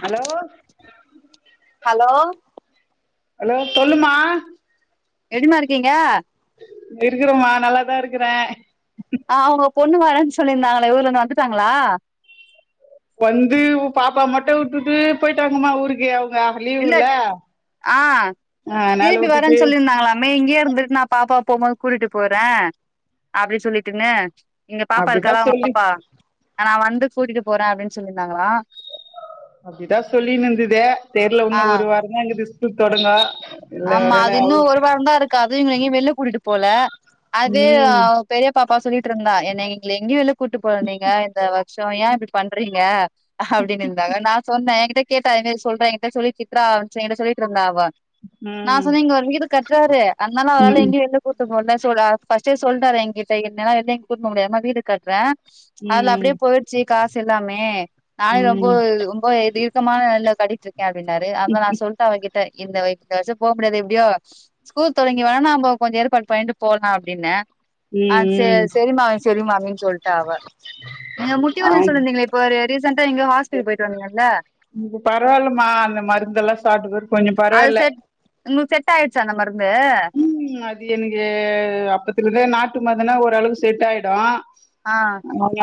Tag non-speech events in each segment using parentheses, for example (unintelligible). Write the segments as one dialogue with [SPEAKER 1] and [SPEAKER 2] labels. [SPEAKER 1] Hello
[SPEAKER 2] hello
[SPEAKER 1] hello சொல்லுமா
[SPEAKER 2] எப்டிமா இருக்கீங்க
[SPEAKER 1] இருக்குறோமா நல்லாதா இருக்குறேன்
[SPEAKER 2] ஆஹ அவுங்க பொண்ணு வரேனு சொல்லியிருந்தாங்களே ஊர்லந்து வந்துட்டாங்களா
[SPEAKER 1] வந்து உ பாப்பா மட்டும் வுட்டுட்டு போயிட்டாங்கமா ஊருக்கு
[SPEAKER 2] இல்ல
[SPEAKER 1] லீவுல
[SPEAKER 2] ஹா
[SPEAKER 1] ஆ அதனால
[SPEAKER 2] திரும்பி
[SPEAKER 1] விட்டுட்டு
[SPEAKER 2] வரேன்னு சொல்லிருந்தாங்களாமே இங்கயே இருந்துட்டு நா பாப்பா போம்போது கூட்டிட்டு போறேன் அப்டினு சொல்லிட்டுங்கு எங்க பாப்பா
[SPEAKER 1] அப்டிதா
[SPEAKER 2] இருக்காளா (unintelligible)
[SPEAKER 1] சொல்லி
[SPEAKER 2] பாப்பா நா வந்து கூட்டிட்டு போறே அப்டின்னு சொல்லிருந்தாங்களா
[SPEAKER 1] அப்டிதான் சொல்லி நுந்தது தெர்ல
[SPEAKER 2] ஆ
[SPEAKER 1] உன்னு ஒரு வாரந்தா இக்குது (unintelligible) தொடுங்க
[SPEAKER 2] ஆமா அது இன்னும் ஒரு வாரம் தான் இருக்கா அது இங்க எங்யோ வெள்ள கூட்டிட்டு போல அது
[SPEAKER 1] ம்
[SPEAKER 2] பெரிய பாப்பா சொல்லிட்டு இருந்தா என்ன எங்களை எங்கேயும் உள்ள கூட்டிட்டு போவாதிங்க இந்த வருஷம் ஏன் இப்டி பண்றீங்க அப்டின்னு இருந்தாங்க நான் சொன்னேன் என கிட்ட கேட்டா என்னாச்சு சொல்றே என்கிட்ட சொல்லி சித்ரா என்கிட்ட சொல்லி இருந்தா அவா நான்
[SPEAKER 1] ம்
[SPEAKER 2] சொன்னே இங்க ஒரு வீடு கட்றாரு அதனால அவரால
[SPEAKER 1] ம்
[SPEAKER 2] எங்கயும் வெளில கூட்டிட்டு போல அச்சொடா ஃபர்ஸ்டே சொல்டாரு என்கிட்ட என்னால எங்கயும் கூட்டிட்டு போ முடியாதுமா வீடு கட்டுறேன் அதுல
[SPEAKER 1] ம் ம்
[SPEAKER 2] அப்டியே போயிடுச்சு காசு எல்லாமே நானே ரொம்ப
[SPEAKER 1] ம்
[SPEAKER 2] ரொம்ப தீர்க்கமான நிலைல கட்டி இருக்கேன் அப்படின்னாரு அதல்லாம் நான் சொல்லிட்டேன் அவகிட்ட இந்த போக முடியாது எப்டியோ ஸ்கூல் தொடங்கி வேணா நாம கொஞ்சோ ஏற்பாடு பண்ணிட்டு போலாம் அப்படின்னே ஆ சே
[SPEAKER 1] ம்
[SPEAKER 2] செரிம்மா செரிம்மான்னு சொல்ட்டா அவ நீங்க முட்டி
[SPEAKER 1] ஆ
[SPEAKER 2] வலினு சொல்லிருந்தீங்களே இப்போ ஒரு ரீசன்டா எங்கயோ ஹாஸ்பிட்டல் போயிட்டு வந்தீங்கல்ல
[SPEAKER 1] இப்ப கொஞ்சோம் பரவால்ல
[SPEAKER 2] உங்குளுக்கு செட் ஆயிருச்சா அந்த மருந்
[SPEAKER 1] உம் அது எனக்கு அப்பத்திலந்தே நாட் (unintelligible) மாத்துனா ஒரு அளவு செட் ஆயிடு
[SPEAKER 2] ஆ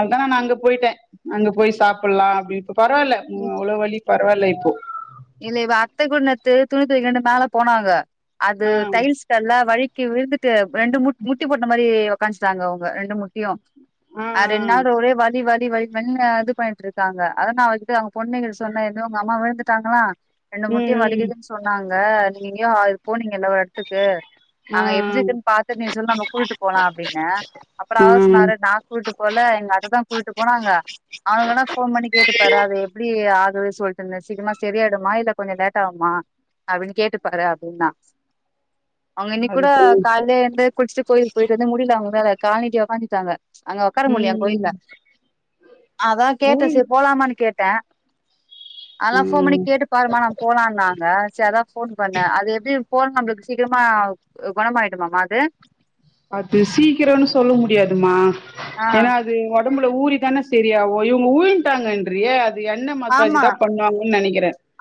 [SPEAKER 1] நானு அங்க போயிட்டே அங்க போய் சாப்பட்லா அப்டின்ட் இப்ப பரவால்ல அவ்ளோ வலி பரவால்ல இப்போ
[SPEAKER 2] இல்ல இவ அத்த குன்னத்து துணி தொவிக்கலாண்டு மேல போனாங்க அது
[SPEAKER 1] ஆ.
[SPEAKER 2] டைல்ஸ் தரைல வழிக் கீழ விழுந்துட்டு ரெண்டு மு முட்டி போட்ட மாரி உக்காஞ்ச்சுட்டாங்க அவங்க ரெண்டு முட்டியும்
[SPEAKER 1] ஆ,
[SPEAKER 2] அது ரென்ட்
[SPEAKER 1] ஆ.
[SPEAKER 2] நாள் ஒரே வலி வல் க்கி வழுக்கி விழுந்து இது பண்ணிட்ருக்காங்க அதா நா அவகிட்ட அவங்க பொண்ணகிட்ட சொன்ன என்ன உங்க அம்மா விழுந்து (unintelligible) தாங்கலா ரெண்டு மூட்டியும்
[SPEAKER 1] ம், ம்.
[SPEAKER 2] வலிக்குதுன்னு சொன்னாங்க இங்க எங்கெயோ போனீங்கல்ல ஒரு எடத்துக்கு
[SPEAKER 1] ஆ,
[SPEAKER 2] அங்க எப்டிக்குன்னு
[SPEAKER 1] ஆ.
[SPEAKER 2] பாத்து நீ சொல்லு நம்ம கூட்டிட்டு போலா அப்டின்னே அப்றோ அவர்
[SPEAKER 1] ம்.
[SPEAKER 2] சொன்னாரு நா கூட்டிட்டு போல எங்க அக்காதா கூட்டிட்டு போனாங்க அவங்க வேண்ணா ஃபோன் பண்ணி கேட்டுப்பாரு அது எப்டி ஆகுது சொல்டேன்ல சிக்ரமா சரியாடுமா இல்ல கொஞ்சம் லேட் ஆகுமா அப்டின்னு கேட்டுப்பாரு அப்டின்னா அவங்க இன்னி
[SPEAKER 1] அது
[SPEAKER 2] கூட
[SPEAKER 1] போய்
[SPEAKER 2] காலையிலே எழுந்து குளிச்சுட்டு கோயிலுக்கு போயிட்டு வந்து முடில்ல அவுங்க வேல கால்நிட்டி உக்காந்துட்டாங்க அங்க உக்கார முல்லயாம்
[SPEAKER 1] ம்.
[SPEAKER 2] கோயுல்லா அதான் கேட்டேன்
[SPEAKER 1] ம்.
[SPEAKER 2] செரி போலாமனு கேட்டேன் அல்லப்வ் போன் பணி
[SPEAKER 1] ம்.
[SPEAKER 2] கேட்டு பாருமா நம் போலாம்னு நாங்க சரி அதான் போன் பண்ணேன் அது எப்படி போன நம்பளுக்கு சீக்கரமா குணமாயிடும்மா அது
[SPEAKER 1] அது சீக்கிரம்னு சொல்ல முடியாதுமா
[SPEAKER 2] ஆ
[SPEAKER 1] என்னாது ஒட் உடம்புல ஊரி தானே சரியகு இவங்க உரிட்டாங்க ன் ரியே
[SPEAKER 2] ஆமா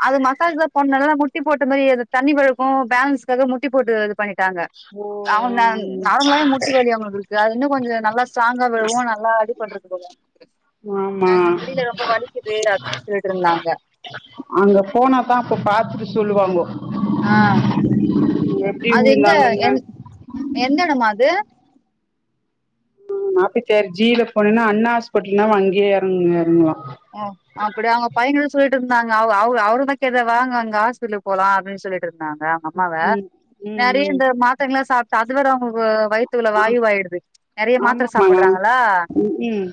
[SPEAKER 2] அது மசாஜ்தான் போன்னா ல்ல முட்ட முட்டி போட்ட மாரியோஇரு தண்ணி வழம்க்கும்பேலன்ஸ்க்காக முட்டிபேட்டு எரு பண்ணிட்டாங்க
[SPEAKER 1] ஓ!
[SPEAKER 2] அவங்க நார்முல்லவே மூட்டி வழி அவங்களுக்கு இருக்கு அது இன்னும் கொஞ்சம் நல்லா சாங்கா விழவும் நல்லா அடிப் பண்றது இல்லையா
[SPEAKER 1] ஆம்மா
[SPEAKER 2] கேட்டு இருந்தாங்க
[SPEAKER 1] அங்க போன தான் அப்ப பாத்துட்டு சொல்லுவாங்கோ
[SPEAKER 2] ஆ
[SPEAKER 1] எப்டி
[SPEAKER 2] அது இந்த
[SPEAKER 1] விழுந்தாங்கன்னா
[SPEAKER 2] என் எந்த எடமா அது
[SPEAKER 1] நாப்பி சரு ஜீல போனுன்னா அண்ணா ஹாஸ்பிட்டல்னா அங்கியே இறங்க லாம்
[SPEAKER 2] ஓ அப்டி அவங்க பையங்கிட்டா சொல்லிட்டு இருந்தாங்க அவ்அவ அவரு மரி தெரியல வாங்க அங்க ஹாஸ்பிடல் போலாம் அப்டின்னு சொல்லிட்டு நங்க அவுங்க அம்மாவ
[SPEAKER 1] ம்
[SPEAKER 2] நறைய
[SPEAKER 1] ம் ம்
[SPEAKER 2] இந்த மாத்திரைங்காலம் சாப்ட் அது வேற அவங்க வூ வயத்துள்ள
[SPEAKER 1] ஆ
[SPEAKER 2] வாயு வாயிடுது நெறைய மாத்திரை
[SPEAKER 1] ஆமாமா
[SPEAKER 2] சாப்படுறாங்களா
[SPEAKER 1] ம் ம்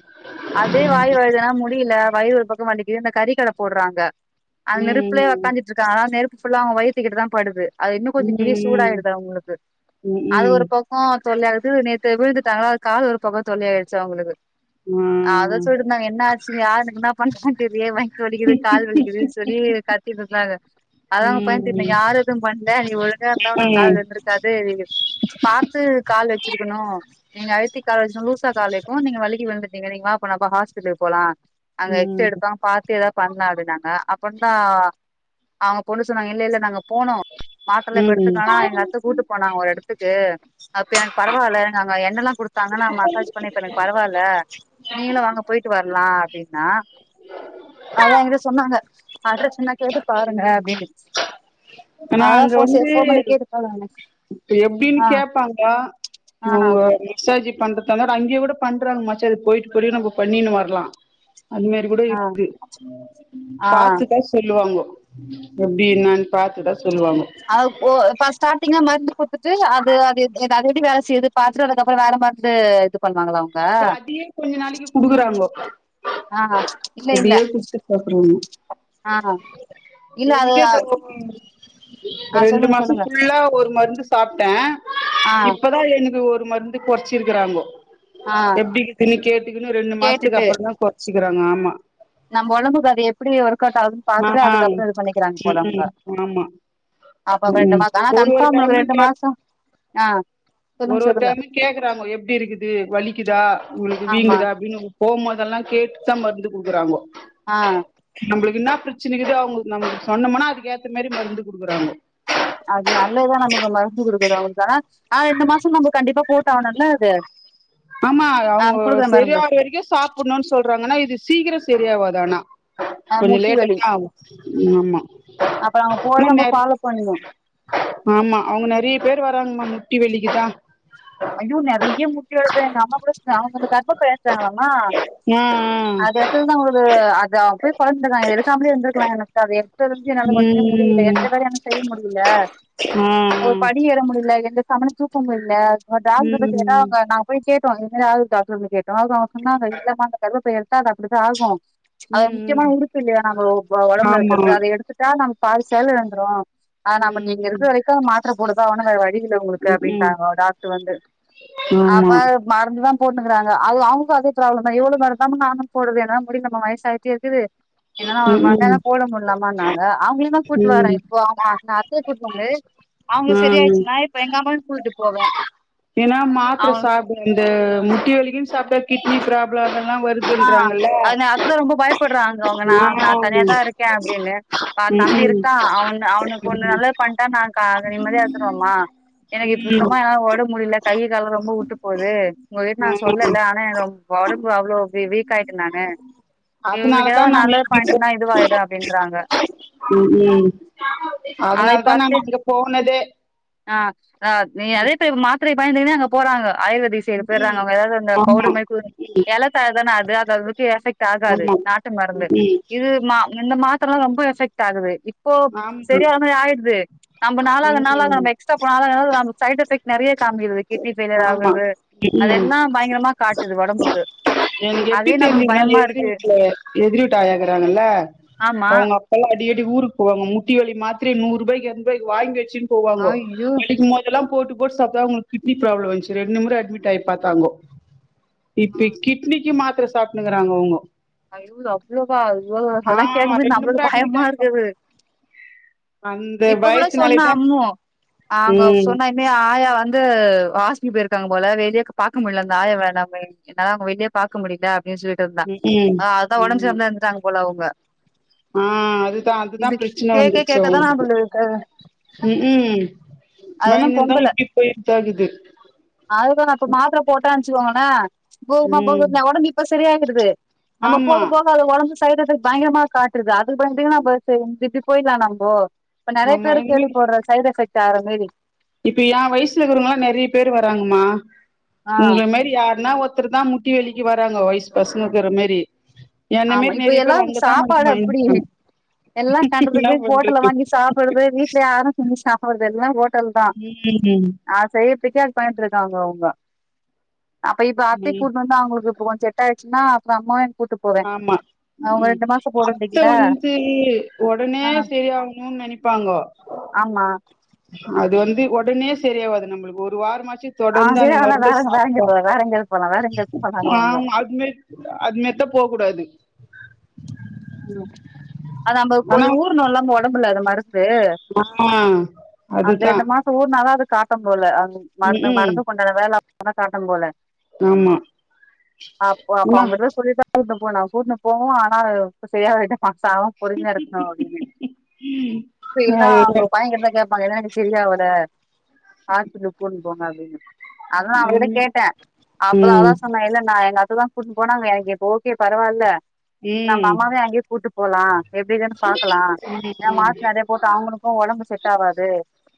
[SPEAKER 2] அதே வாயு வாயிடுதுனா மு இந்த வயிறு ஒரு பக்கம் வழிக்கிது இந்த கறிக்கடை போடுறாங்க அன்
[SPEAKER 1] ம்
[SPEAKER 2] நெருப்புலே உக்கந்துட்டு இருக்கா ங்க நெருப்புல்ல அவங்கவயிறத் (unintelligible) தான் படுது அது இன்னும் கொஞ்சம் டீ சூடா
[SPEAKER 1] ம்
[SPEAKER 2] ஆயிடுது அங்களுக்கு அது
[SPEAKER 1] ம் ம் ம்
[SPEAKER 2] ஒரு பக்கம் தொல்லைய ஆகுது நேத் அது விழுந்துட்டாங்களா அது கால் ஒரு பக்கம் தொல்லை ஆயிடுச்சு அவங்களுக்கு
[SPEAKER 1] ஆ
[SPEAKER 2] அத சொல்லிட்ருந்தாங்க என்ன ஆச் யருக்கு நா பங்சன்னு தெரிய வயித்தா வலிக்குது கால் வலிக்குதுன்னு சொல்லி (inaudible) கத்தி தந்தங்கா அதான்
[SPEAKER 1] ம்
[SPEAKER 2] அவங்க பையன்
[SPEAKER 1] ம்
[SPEAKER 2] திட்னே யருக்கும் பண்ணல நீ ஒழுங்கா இருந்தா உனக்கு கால் வலி வந்திருக்காது இ பாத்து கால் வச்சிருக்கணும் நீங்க அழுத்தி கால் வச்சுணும் லூசா கால் வைக்கும் நீங்க வள்ளிக்கு விழுந்துட்டீங்க நீங்க வா போனப்ப ஹஸ்பிட்டலுக்கு போலாம் அங்க எக்ஸ்ரோ
[SPEAKER 1] ம்
[SPEAKER 2] எடுப்பாங்க பாத்து ஏதாவது பண்ணதிங்கா ங அப்னா ஆஅ அவங்க பொண்ணு சொன்னாங்க இல்ல இல்ல நாங்க போனும் மாத்திரல இப்ப
[SPEAKER 1] ம் ம்
[SPEAKER 2] எடுத்துக்கோ ஹன்எங்க அத்தை கூட்டிட்போனாங்க ஒரு இடத்துக்கு அப்ப எனக்கு பரவாயில்ல எனக்கு அங்க என்ண்ணனெல்லாம் குடுத்தாங்கன்னா மசாஜ் பண்ணி இப்ப எனக்கு பரவாயில்ல நீங்களும் வாங்க போயிட்டு வரலாம் நான் அதான்ங்கிட்ட சொன்னாங்க அட்ரஸ் என கேட்டு பாருங்க அப்புடினு
[SPEAKER 1] ஆனா
[SPEAKER 2] (inaudible)
[SPEAKER 1] இப்ப எப்படின்னு
[SPEAKER 2] ஆ
[SPEAKER 1] கே்பாங்க
[SPEAKER 2] ஆ
[SPEAKER 1] அவங்க எக்ஸஜி பண்றதுதந்த அங்கே கூட பண்றாங்க மாச்சாஅது போயிட்டு போயி நம்ம பண்ணின்னு வரலாம் அதுமெரி கூட
[SPEAKER 2] ஆ
[SPEAKER 1] இருக்கு
[SPEAKER 2] ஆ
[SPEAKER 1] பார்த்துதா சொல்லுவாங்கோ எப்படி நான் பா்த்து தான்
[SPEAKER 2] அஓ இப்ப ஸ்டாரிங்க ம கொடுத்து அது அது எத அது எப்படி வேலை செய்யு பா்த்துட்டு அதுக்கப்புறம் வேற பா்த்துட்டு இது பண்ணுவாங்களாம்
[SPEAKER 1] அதையே கொஞ்ச நாளைக்கு குடுக்குறாங்கோ
[SPEAKER 2] ஆ இல்ல இல்ல
[SPEAKER 1] அதையே குடுத்து பாக்குறோம்
[SPEAKER 2] ஆ இல்ல அது
[SPEAKER 1] எனக்கு இதுோ
[SPEAKER 2] ஆ
[SPEAKER 1] ரெண்டு
[SPEAKER 2] சொல்லுங்க
[SPEAKER 1] மாசம்
[SPEAKER 2] சொல்லுங்க
[SPEAKER 1] புல்லா ஒரு மருந்து சாப்பிட்டேன்
[SPEAKER 2] ஆ
[SPEAKER 1] இப்பதான் எனெக் ஒரு ஓர் மருந்து குறைச்சிருக்கிறாங்கோ
[SPEAKER 2] ஆ
[SPEAKER 1] எப்புடியிதுக்குனு கேட்டுகுனு ரெண்டு மாசத்துக்கு
[SPEAKER 2] கேட்டுட்டு
[SPEAKER 1] அப்புறம் தான் குறச்சீறாங்க ஆ ஆமா
[SPEAKER 2] நம்ம உடம்புக்கு அது எப்படி ஒர்க் அவுட் ஆகுதுன்னு பாாரத்துட்டு
[SPEAKER 1] ஆ ம்
[SPEAKER 2] அதுக்கப்புறம் இது பண்ணிக்கிறாங்க போதவங்க
[SPEAKER 1] ம் ஆமா
[SPEAKER 2] அப்ப ரெண்டு
[SPEAKER 1] ம்
[SPEAKER 2] மாசம் ஆனா
[SPEAKER 1] ஒரு ஒரு
[SPEAKER 2] கன்ஃபார்ம்
[SPEAKER 1] டைமு
[SPEAKER 2] ரெண்டு
[SPEAKER 1] கேப்
[SPEAKER 2] மாசம் ஆஹ்
[SPEAKER 1] ஒரு ஒரு டைமூம் எப்படி இருக்குது வலிக்குதா உங்களுக்கு
[SPEAKER 2] ஆமா
[SPEAKER 1] வீங்குதா அப்படின்னு போதெல்லாம் கேட்டுதான் மருந்து கூக்குறாங்கோ
[SPEAKER 2] ஆஹ்
[SPEAKER 1] நம்மளுக்கென பிரச்சனைக்குதோ அவங்க நம்மளுக்கு சொன்னோம்னா அதுக்க ஏத்த மாதிரி மருந்து கொடுக்குறாங்கோ
[SPEAKER 2] அது நல்லதான் நமக்கு மருந்து கொடுக்குது அவங்கக்கானா ஆஹ் இந்த மாசம் நம்ம கண்டிப்பா போட்ட ஆகனல்ல அது
[SPEAKER 1] ஆமா
[SPEAKER 2] ஆ
[SPEAKER 1] அவங்க
[SPEAKER 2] குடுக்குற
[SPEAKER 1] செரியா
[SPEAKER 2] மருந்து
[SPEAKER 1] வரைக்கும் சாப்புடணும்னு சொல்றாங்க இது சீக்கிரம் சரியாவாதானா
[SPEAKER 2] ஆ
[SPEAKER 1] கொஞ்சம்
[SPEAKER 2] முட்டி
[SPEAKER 1] லேட்
[SPEAKER 2] வலி
[SPEAKER 1] ஆத ஆகும்
[SPEAKER 2] அப்ப நாங்க போறத நம்ம
[SPEAKER 1] ஆ
[SPEAKER 2] ஃபாலோ பண்ணும்
[SPEAKER 1] ஆமா அவங்க நிறைய பேர் வராங்கல முட்டி வலிக்குதா
[SPEAKER 2] ஐயோ நிறைய முட்டி எழு எங்க அம்மா கூட அவங்க கர்ப்பபை எடுத்துருக்கம
[SPEAKER 1] ஆ
[SPEAKER 2] அது
[SPEAKER 1] ஆ
[SPEAKER 2] எடுத்ததா தான் உ அது போய் பந்திருக்காங்க எடுக்கமே இருந்ததுருக்கலாம் எனக்கு பாத்தாதுக்கு என்னால ஒண்ணுமே முடியல
[SPEAKER 1] ம்
[SPEAKER 2] எந்த வேல என்னால செய்ய முடில
[SPEAKER 1] ஆ
[SPEAKER 2] ஒரு
[SPEAKER 1] ஆ
[SPEAKER 2] படி ஏற முடியல எந்த கவன தூக்க முடியல ஒரு டாக்டர்ட
[SPEAKER 1] ம்
[SPEAKER 2] போய் கேட்டா
[SPEAKER 1] ம்
[SPEAKER 2] அவங்க நாங்க போய் கேட் (unintelligible) சொன்ன இல்லாம அந்த கருப பை எடுத் து அப்படிதான் ஆகும் அத ஒரு
[SPEAKER 1] ம்
[SPEAKER 2] முக்கியமா
[SPEAKER 1] ம்.
[SPEAKER 2] உறுப்பு இல்லையா நம்ம உடம்புல
[SPEAKER 1] ஆமா
[SPEAKER 2] இருக்குறது அதை எடுத்துட்டா நம்ம பாதி சேல இழுந்துறோம் அத நம்ம நீங்க
[SPEAKER 1] ம்
[SPEAKER 2] இருக்கிற வரைக்க மாத்திர போடுதா அவனும் வேற வழி இல்லை உங்களுக்கு
[SPEAKER 1] ம்
[SPEAKER 2] அப்டின்டாங்க டாக் (inaudible) அப்ப
[SPEAKER 1] ஆமா
[SPEAKER 2] மறந்து வா போட்டுக்கிறாங்க அது அவங்க அதே ப்ராப்ளம் தான் எவ்ளோ மரந்தும் நானும் போடுதுன முடியும் நம வயச ஆயிட்ட இருக்குது என்னன்னா அவ ம
[SPEAKER 1] ம்
[SPEAKER 2] தான் போட முடியலாமான்னாங்க அவங்கள தான் கூப்பிட்டு
[SPEAKER 1] ம்
[SPEAKER 2] வரேன் இப்போ அ அத்தைய கூப்புடும்போது
[SPEAKER 1] ஆ
[SPEAKER 2] அவங்களுக்கு சரிய ஆயிடுச்சுன்னா இப்ப எங்க அம்மாவனு கூட்டுட்டு போவேன்
[SPEAKER 1] ஏன்னா மாத்துர (unintelligible) இந்த முட்டி வலிக்கு சாப்ட கிட்டினி பிராப்லலா
[SPEAKER 2] ஆஹ் அது அதுதான் ரொம்ப பயப்படுறாங்க ஏன்னா
[SPEAKER 1] ஆ
[SPEAKER 2] நான் தனியா
[SPEAKER 1] ம்
[SPEAKER 2] தான் இருக்கேன் அப்படின்னு
[SPEAKER 1] ம்
[SPEAKER 2] தம்பி இருக்கான் அவன் அவக்கு ஒண்ணு நல்லது பண்ணிட்டான் நான் நிம்மதியா இருந்துடுவமா எனக்கு இ
[SPEAKER 1] ம்
[SPEAKER 2] சுத்தமா ஏன உடம்ப முடியல கை கால ரொம்ப உட்டு போகுது உங்ககிட்ட நான் சொல்லல
[SPEAKER 1] ம்
[SPEAKER 2] ஆனா உடம்பு அவ்ளோ வீ வீக் ஆய்ட நானு இவ்ழு
[SPEAKER 1] (unintelligible) உம் உம்
[SPEAKER 2] அதை
[SPEAKER 1] அதனால தான் நான்
[SPEAKER 2] பாத்து
[SPEAKER 1] அங்க போனதே
[SPEAKER 2] பயந்துங்கன்னே அங்க போறாங்க ஆயுர்வேதி செய்து
[SPEAKER 1] ம்
[SPEAKER 2] போயிடுறாங்க ஏதாவது அந்த
[SPEAKER 1] ஆமா
[SPEAKER 2] பவுடர்
[SPEAKER 1] ம்
[SPEAKER 2] எல (unintelligible) தான அது அ அளவுக்கு எஃபெக்ட் ஆகாது
[SPEAKER 1] ஆமா
[SPEAKER 2] நாட்டு மருந்து
[SPEAKER 1] ம்
[SPEAKER 2] இது மா இந்த மா த்த ரொம்ப எஃபெ்ட ஆகுது இப்போ
[SPEAKER 1] ஆமா
[SPEAKER 2] சரியான மாரி ஆயிது நம்ம நால அதனால
[SPEAKER 1] ம்
[SPEAKER 2] நம்ப எக்ஸ்ட்ரா (unintelligible) ஸைட் எஃபெக்ட் நறைய காமிக்குது கிட்னி ஃபயிலியர்
[SPEAKER 1] ஆமா
[SPEAKER 2] ஆகுறது
[SPEAKER 1] ம்
[SPEAKER 2] அதெல்லாம் பயங்கரமா காட்டுது ஒடம்புக்கு
[SPEAKER 1] எனக்கு எப்டி
[SPEAKER 2] அதே நம்மளுக்கு
[SPEAKER 1] தெரிஞ்சிக்கலா
[SPEAKER 2] பயமா
[SPEAKER 1] எதிரி
[SPEAKER 2] இருக்கு
[SPEAKER 1] வீட்டுல எதிர் வீட்டு ஆயகுறாங்கல்ல
[SPEAKER 2] ஆமா
[SPEAKER 1] அவங்க அப்பல்லாம் அடிக்கடி ஊருக்கு போவாங்க முட்டி வலி மாத்திரய நூறுருப்க இரணுப்பாய்க்கு வாங்கி வச்சு போவாங்க
[SPEAKER 2] ஐயோ
[SPEAKER 1] இருக்கும்போதெல்லாம் போட்டு அவங்களுக்கு கிட்னி ப்ராப்ளம் வந்துச்சு ரெண்டு முறை அட்மிட்ஆகி பார்த்தாங்கோ இப்ப கிட்னிக்கு மாத் த்திர சாப்புடுங்கறாங்க அவங்க
[SPEAKER 2] ஐயோ அவ்வளோவா இவ்ளவு அததான்
[SPEAKER 1] ஆ
[SPEAKER 2] கேட்கும்பது
[SPEAKER 1] ரெண்டு முற
[SPEAKER 2] நம்மளுக்கு
[SPEAKER 1] அட்மிட்
[SPEAKER 2] பயமா
[SPEAKER 1] ஆயி பாத்
[SPEAKER 2] இருக்குது
[SPEAKER 1] அந்த
[SPEAKER 2] இப்ப கூட சொன்னா
[SPEAKER 1] பயத்துனாலேதா
[SPEAKER 2] அம்மு அவங்க
[SPEAKER 1] ம்
[SPEAKER 2] சொன்னா இமே ஆயா வந்து (unintelligible) போயிருக்காங்க போல வெளிய பாக்க முடில அந்த ஆய ந என்னால அவங்க வெளியே பா்க்க முடியல (inaudible) இருந்தா‌
[SPEAKER 1] ம் ம்.
[SPEAKER 2] ஆஹ் அதான் உம்பு
[SPEAKER 1] ஆமா
[SPEAKER 2] செரில்லாமதா இருந்துட்டாங்க போல அவங்க
[SPEAKER 1] ஆ அதுதான் அதுதான்
[SPEAKER 2] இப்டி
[SPEAKER 1] பிரச்சனை
[SPEAKER 2] கேக்க
[SPEAKER 1] வந்துச்சு
[SPEAKER 2] கேக்கதா
[SPEAKER 1] அங்களுக்கு
[SPEAKER 2] நம்மளுக்கு
[SPEAKER 1] ம் ம்
[SPEAKER 2] அது இன்னு
[SPEAKER 1] பயங்க்தான்
[SPEAKER 2] பொங்கல
[SPEAKER 1] எப்டி போயிருகுது
[SPEAKER 2] (inaudible) னா (unintelligible) சரியாகடுது நம்ம
[SPEAKER 1] ஆமா
[SPEAKER 2] போக- போக அது ஒடம்பு சைட் எஃபெக்ட் பயங்கரமா காட்டுறது (unintelligible) போயலாம் நம்போ இப்ப நறைய
[SPEAKER 1] ஆமா
[SPEAKER 2] பேரு கேள்வி
[SPEAKER 1] இனிமேல்
[SPEAKER 2] படுரோ சைட எஃபக்ட் (inaudible)
[SPEAKER 1] இப்ப என் வயசுல இருக்கிறவங்களாம் நெறைய பேரு வராங்கமா
[SPEAKER 2] ஆ
[SPEAKER 1] உங்கல மாரி யாருன்னா ஒருத் தான் முட்டி வெலிக்கு வராங்க வயிஸ் பசங்கிரா மாரி என்ன
[SPEAKER 2] ஆமா
[SPEAKER 1] மாரி
[SPEAKER 2] இப்ப
[SPEAKER 1] நெறைய பேர்
[SPEAKER 2] எல்லாம்
[SPEAKER 1] அங்கதா வந்து
[SPEAKER 2] சாப்பாடு அப்படி
[SPEAKER 1] மயங்குறாங்க
[SPEAKER 2] எல்லாம் கண்டத
[SPEAKER 1] என்ன
[SPEAKER 2] போய் ஹோட்டல்ல
[SPEAKER 1] பண்றது
[SPEAKER 2] வாங்கி சாப்படுறது வீட்ல யாரும் செஞ்சு சாப்பிடுறது எல்லாம் (unintelligible) (inaudible) பயித்து
[SPEAKER 1] ம்
[SPEAKER 2] இருக்காங்க அவங்க அப்ப இப்ப அத்தை
[SPEAKER 1] ம்
[SPEAKER 2] கூடினுவந்தான அவங்களுக்கு கொஞ்ச செ ஆச்சன்னா அப்றோஅம்மவையு கூட்டு போவே
[SPEAKER 1] ஆமா
[SPEAKER 2] அவுங்க
[SPEAKER 1] உம்
[SPEAKER 2] ரெண்டு மாச
[SPEAKER 1] அத்த
[SPEAKER 2] போடுந்தீங்கள
[SPEAKER 1] வந்து ஒடனே
[SPEAKER 2] ஆ
[SPEAKER 1] சரியாகணும்னு நினைப்பாங்கோ
[SPEAKER 2] ஆமா
[SPEAKER 1] அது வந்து உடனே சரியாவாது நம்மளுக்கு ஒரு வாரமா ச்சி
[SPEAKER 2] ஆ
[SPEAKER 1] தொடர்ந்து அந்த
[SPEAKER 2] சரி அதெல்லா
[SPEAKER 1] மருந்த
[SPEAKER 2] வேற வேற எங்கயாது
[SPEAKER 1] சாப்டொ
[SPEAKER 2] போலா வேற எங்கயாது போலா வேற எங்கயாது போலானுவாங்க
[SPEAKER 1] ஆமா அது மாரி அது மாரி போ கூடாது
[SPEAKER 2] (inaudible) அது நம்ம கொஞ்சோ ஊர்னோல்லா நம்ப (unintelligible) அது
[SPEAKER 1] ஆ
[SPEAKER 2] அந்த
[SPEAKER 1] அதுதா
[SPEAKER 2] இந்தமாசோ காட்டும் போல
[SPEAKER 1] ம்
[SPEAKER 2] மருந்து
[SPEAKER 1] ம்
[SPEAKER 2] மருந்து பண்றவேல கூட காட்டும் போல
[SPEAKER 1] ஆமா ன
[SPEAKER 2] கூட்னு போனா கூட்டினு போவோம் ஆனா சயா (inaudible) சாவம் பொறுமையா இருக்கணும் அப்டின்னு இப்ப இவங்க அவங்க
[SPEAKER 1] அதுதா
[SPEAKER 2] பையன் கிட்டதான் கேட்பாங்க என்ன சரிய அவட ஆ சொல்ல போ போகாதீங்க அததான் அவகிட்ட
[SPEAKER 1] ம்
[SPEAKER 2] கேட்டேன் அப்பதான்
[SPEAKER 1] ம்
[SPEAKER 2] அவதான் சொன்னேன் இல்லலை நான் நான் இப்ப தான் கூட்டிட்டு போனாங்க எனக்கு இப்போ ஓகே பரவால்ல
[SPEAKER 1] ம்
[SPEAKER 2] மாமாவே அங்கேயே கூட்டஇப் போலாம் எப்படிது பாக்கலாம் ஏ மாத்தர நிறைய போட்டு அவங்களுக்கும் உடம்பு செட் ஆகாது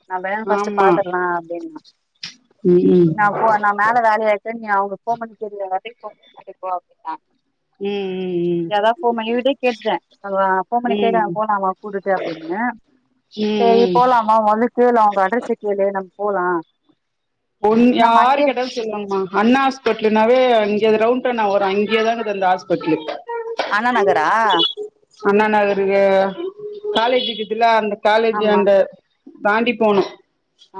[SPEAKER 2] நான்ணஸ்ட்ட்
[SPEAKER 1] ஆமா
[SPEAKER 2] பாத்துலாம் அப்படின்னா
[SPEAKER 1] ம் ம் ம்
[SPEAKER 2] நான் போ நான் மேல வேலையா நீங்க அவுங்க பர்பாமஸ் தெரியல (unintelligible)
[SPEAKER 1] உம் உம் உம்
[SPEAKER 2] போன் பன்னி கேட்டுட்டேன் போன் பண்ணி கேடங்க
[SPEAKER 1] ம்
[SPEAKER 2] போலாமா கூட்டுட்டு அப்படின்னு செரி
[SPEAKER 1] ம்
[SPEAKER 2] போகலாமா வா வந்து கேலாம் உங்க அட்ரஸ கேளு நம்ம போலாம்
[SPEAKER 1] ஒன் யாரு கேட்டாலும் சொல்லுவாகமா அண்ண ஹாஸ்பிடலனாவே எது க்ரவுண்ட நான ஒரு (inaudible) அங்கேதான அது அந்த ஹா்பிடலுக்கு
[SPEAKER 2] அண்ணா நகரா
[SPEAKER 1] அண்ணா நகரு காலேஜ்க்குதுல அந்த காலேஜ்
[SPEAKER 2] ஆமா
[SPEAKER 1] அண்ட தாண்டி போனும்
[SPEAKER 2] ஆ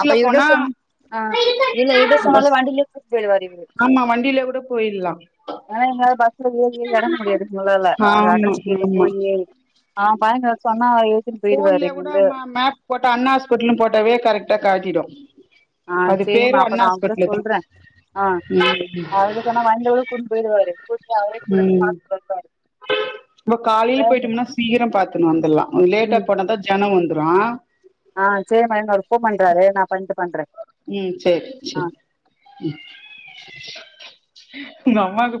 [SPEAKER 2] அப்ப இவட சொன்ன ஆஹ் இல்ல இவருட்ட சொன்னாலும்
[SPEAKER 1] பஸ்
[SPEAKER 2] வண்டியில கூட்டிட்டு போய்டுவாரு
[SPEAKER 1] ஆமா வண்டியிலே கூட போயிட்லா
[SPEAKER 2] (inaudible) ஆனா எங்களால பஸ்ல ஏறி ஏறி இறங்க முடியாது ஒருவோளை அவங்க
[SPEAKER 1] ஆமா
[SPEAKER 2] அட்ரஸ் கேட்டு போயே ஏறி ஆஹ் பாயங்க
[SPEAKER 1] போன்லயே கூட மேப் போட்டா அண்ணா ஹாஸ்பிட்டலும் போட்டாவே கரெக்டா காட்டிடும்
[SPEAKER 2] ஆஹ் சரிமா அப்ப நான் அவங்களிட்ட
[SPEAKER 1] ஹாஸ்பிட்டலு தா
[SPEAKER 2] சொல்றேன் ஆஹ்
[SPEAKER 1] ம்
[SPEAKER 2] அவருட்ட சொன்னா வண்டில கூட கூட்டீட்டு போயிடுவாரு அவரே கூடருந்து
[SPEAKER 1] ம்
[SPEAKER 2] பாத்துபாரு வருவாரு
[SPEAKER 1] வந்துலாம் ஆ லேட்டா
[SPEAKER 2] ம்
[SPEAKER 1] போனா தா ஜன வந்து ஆஹ
[SPEAKER 2] ஆ சரிம்மா போன் பண்றாரு நான
[SPEAKER 1] ம் செரி செரி ம் உங்க அம்மாக்கு